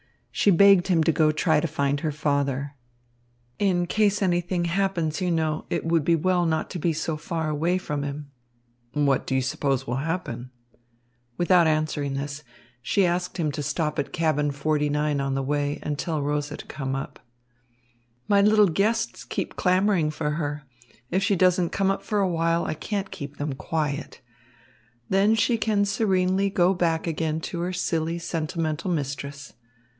She begged him to go try to find her father. "In case anything happens, you know, it would be well not to be so far away from him." "What do you suppose will happen?" Without answering this, she asked him to stop at cabin 49 on the way and tell Rosa to come up. "My little guests keep clamouring for her. If she doesn't come up for a while, I can't keep them quiet. Then she can serenely go back again to her silly, sentimental mistress.